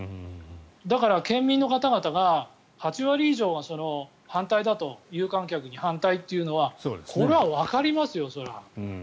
だから、県民の方々が８割以上が有観客に反対だというのはこれはわかります、そりゃ。